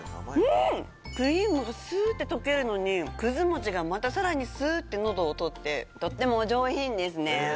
クリームがすって溶けるのにくず餅がまたさらにすって喉を通ってとってもお上品ですね。